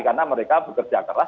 karena mereka bekerja keras